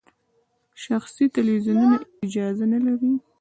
شخصي تلویزیونونه اجازه نلري.